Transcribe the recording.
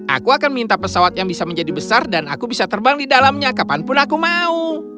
aku akan minta pesawat yang bisa menjadi besar dan aku bisa terbang di dalamnya kapanpun aku mau